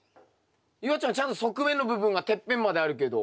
夕空ちゃんちゃんと側面の部分がてっぺんまであるけど。